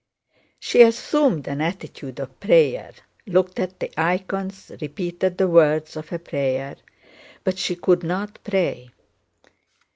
She assumed an attitude of prayer, looked at the icons, repeated the words of a prayer, but she could not pray.